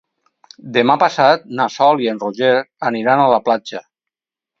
Demà passat na Sol i en Roger aniran a la platja.